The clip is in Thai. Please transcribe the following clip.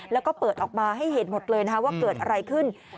แล้วก็เปิดออกมาให้เห็นหมดเลยว่าเกิดอะไรขึ้น